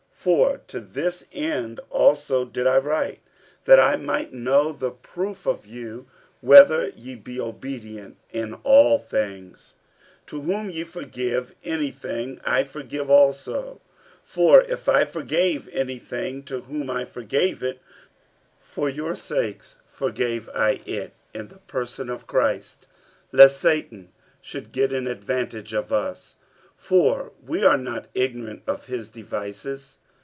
47:002:009 For to this end also did I write, that I might know the proof of you, whether ye be obedient in all things. 47:002:010 To whom ye forgive any thing, I forgive also: for if I forgave any thing, to whom I forgave it, for your sakes forgave I it in the person of Christ; 47:002:011 Lest Satan should get an advantage of us: for we are not ignorant of his devices.